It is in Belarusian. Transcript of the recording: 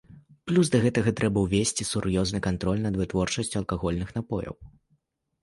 Плюс да гэтага трэба ўвесці сур'ёзны кантроль над вытворчасцю алкагольных напояў.